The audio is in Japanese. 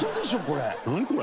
これ。